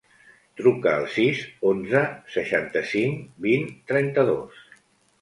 Truca al sis, onze, seixanta-cinc, vint, trenta-dos.